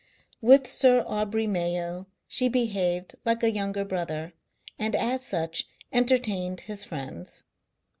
With Sir Aubrey Mayo she behaved like a younger brother, and as such entertained his friends.